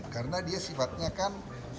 karena dia sifatnya kan